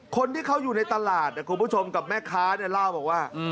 คนที่เขาอยู่ในตลาดคุณผู้ชมกับแม่ค้าเนี่ยเล่าบอกว่า